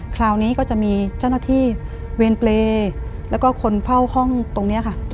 คราวนี้ก็จะมีเจ้าหน้าที่เวรเปรย์แล้วก็คนเฝ้าห้องตรงนี้ค่ะ